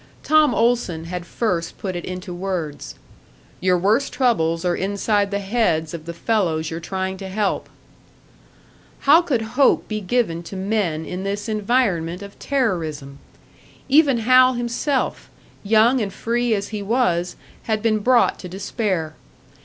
Tom Olson had first put it into words: "Your worst troubles are inside the heads of the fellows you're trying to help!" How could hope be given to men in this environment of terrorism? Even Hal himself, young and free as he was, had been brought to despair.